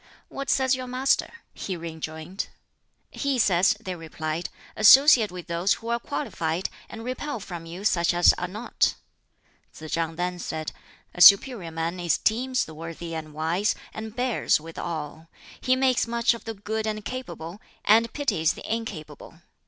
"What says your Master?" he rejoined. "He says," they replied, "'Associate with those who are qualified, and repel from you such as are not,'" Tsz chang then said, "That is different from what I have learnt. A superior man esteems the worthy and wise, and bears with all. He makes much of the good and capable, and pities the incapable.